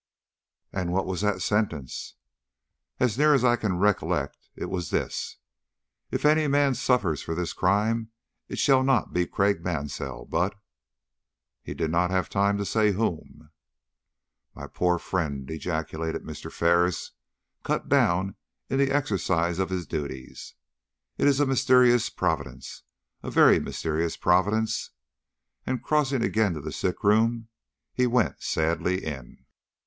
"And what was that sentence?" "As near as I can recollect, it was this: 'If any man suffers for this crime it shall not be Craik Mansell, but ' He did not have time to say whom." "My poor friend!" ejaculated Mr. Ferris, "cut down in the exercise of his duties! It is a mysterious providence a very mysterious providence!" And crossing again to the sick room, he went sadly in.